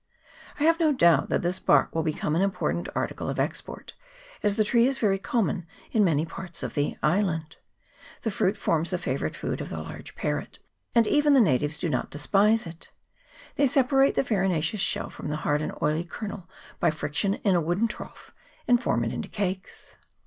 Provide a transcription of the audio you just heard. I have no doubt that this bark will become an important article of export, as the tree is very common in many parts of the island. The fruit forms the favourite food of the large parrot ; and even the natives do not despise it. They separate the farinaceous shell from the hard and oily kernel by friction in a wooden trough, and form it into cakes.